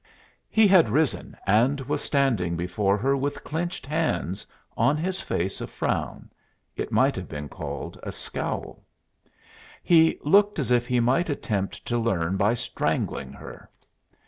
He had risen and was standing before her with clenched hands, on his face a frown it might have been called a scowl. He looked as if he might attempt to learn by strangling her.